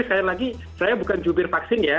sekali lagi saya bukan jubir vaksin ya